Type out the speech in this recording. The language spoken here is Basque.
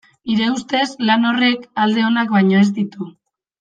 Nire ustez, lan horrek alde onak baino ez ditu.